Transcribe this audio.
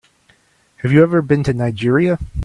Have you ever been to Nigeria?